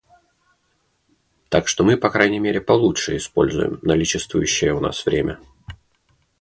Так что мы, по крайней мере, получше используем наличествующее у нас время.